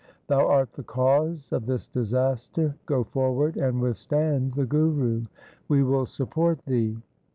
Thou art the cause of this disaster : go forward and withstand the Guru. We will support thee.'